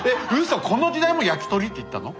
そこの時代も焼鳥って言ったの？